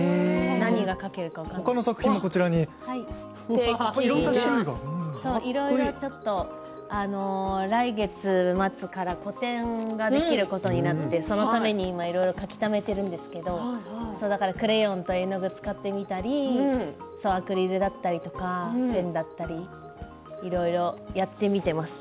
ほかの作品も来月末から個展ができることになってそのために今、いろいろ描き留めているんですけどクレヨンと絵の具を使ってみたりアクリルだったりとかペンだったりいろいろやってみています。